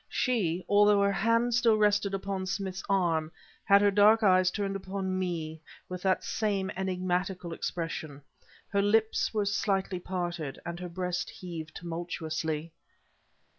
She, although her hand still rested upon Smith's arm, had her dark eyes turned upon me with that same enigmatical expression. Her lips were slightly parted, and her breast heaved tumultuously.